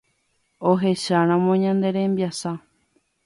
Ohecharamo ñane rembiasa